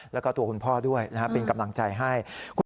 แล้วก็ตัวคุณพ่อด้วยนะครับเป็นกำลังใจให้